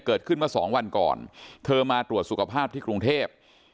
เกิดขึ้นเมื่อสองวันก่อนเธอมาตรวจสุขภาพที่กรุงเทพ